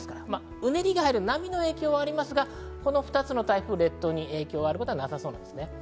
うねりがある波の影響はありますが、２つの台風は列島に影響があることはなさそうです。